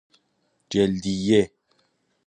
جلدیه